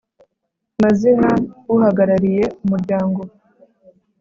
mazina: uhagarariye umuryango